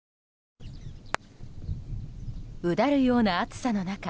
うだるような暑さの中